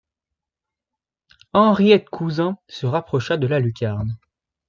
Henriet Cousin se rapprocha de la lucarne.